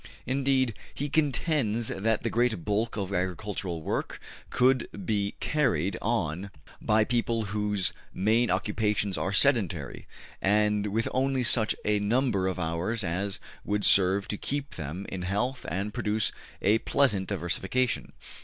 Indeed, he contends that the great bulk of agricultural work could be carried on by people whose main occupations are sedentary, and with only such a number of hours as would serve to keep them in health and produce a pleasant diversification.